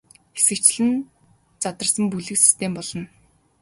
Хэсэгчлэн задарсан бүлэг систем болно.